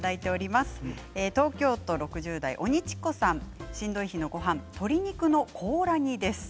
東京都６０代の方しんどい日のごはん鶏肉のコーラ煮です。